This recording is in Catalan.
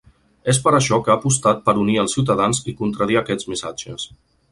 És per això que ha apostat per ‘unir’ els ciutadans i contradir aquests missatges.